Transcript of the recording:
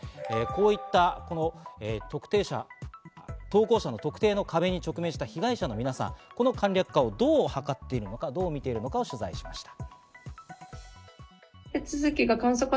こういった投稿者の特定の壁に直面した被害者の皆さん、この簡略化をどう見ているのかを取材しました。